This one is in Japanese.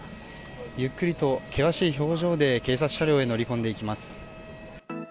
ゆっくりと険しい表情で警察車両へ乗り込んでいきます。